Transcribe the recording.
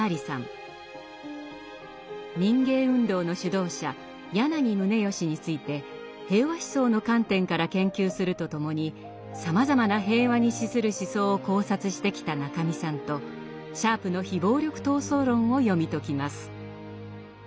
民藝運動の主導者柳宗悦について平和思想の観点から研究するとともにさまざまな平和に資する思想を考察してきた中見さんとシャープの非暴力闘争論を読み解きます。